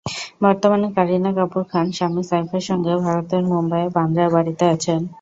বতর্মানে কারিনা কাপুর খান স্বামী সাইফের সঙ্গে ভারতের মুম্বাইয়ের বান্দ্রার বাড়িতেই আছেন।